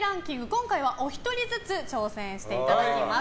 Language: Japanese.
今回はお一人ずつ挑戦していただきます。